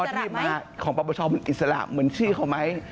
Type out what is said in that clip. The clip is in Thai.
ใสของอิสระไหมอิสระเมืองชื่อเขาไหม